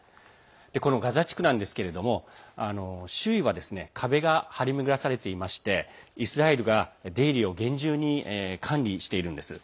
このガザ地区なんですけれども周囲は壁が張り巡らされていましてイスラエルが出入りを現状に管理しているんです。